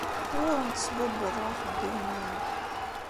Ur awent-sbubbuḍeɣ axeddim-nwent.